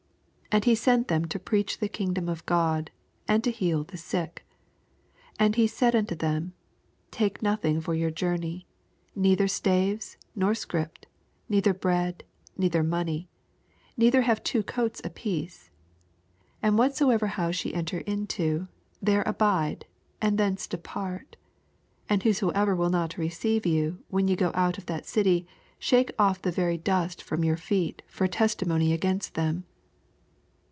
2 And he sent them to preach the kingdom of God, and to heal the sick. 8 And he said nnto them, Take nothing for y»wr journey, neither Bt&ves, nor i»crip^ neither bread, nei ther money ; neither have two coats apiece. 4 And whatsover honse ye enter into, there abide, and thence depart 5 And whosoever will not receive you, when ye go out of that cit^, shake off the very dust from your feet for a testimony against them.